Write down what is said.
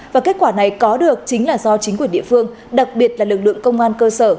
và kết quả này có được chính là do chính quyền địa phương đặc biệt là lực lượng công an cơ sở